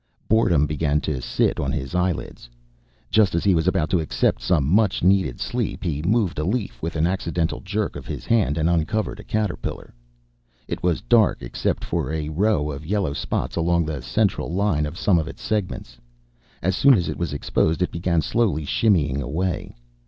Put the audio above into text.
Boredom began to sit on his eyelids. Just as he was about to accept some much needed sleep, he moved a leaf with an accidental jerk of his hand and uncovered a caterpillar. It was dark except for a row of yellow spots along the central line of some of its segments. As soon as it was exposed, it began slowly shimmying away.